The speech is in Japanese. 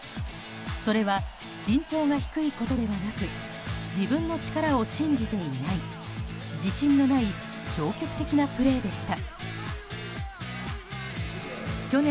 それは身長が低いことではなく自分の力を信じていない自信のない消極的なプレーでした。